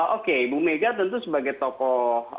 oke ibu mega tentu sebagai tokoh